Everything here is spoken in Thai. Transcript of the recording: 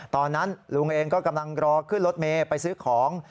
ตอนนั้นลุงเองก็กำลังรอขึ้นรถเมย์ไปซื้อของ